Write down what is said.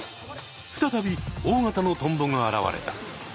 再び大型のトンボが現れた！